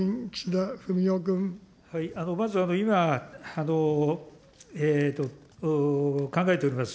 まず、今、考えております